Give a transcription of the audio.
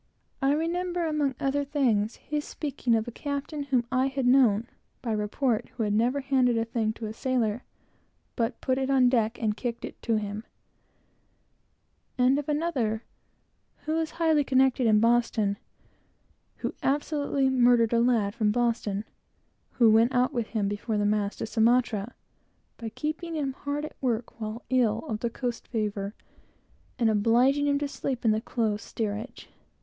I remember, among other things, his speaking of a captain whom I had known by report, who never handed a thing to a sailor, but put it on deck and kicked it to him; and of another, who was of the best connections in Boston, who absolutely murdered a lad from Boston that went out with him before the mast to Sumatra, by keeping him hard at work while ill of the coast fever, and obliging him to sleep in the close steerage.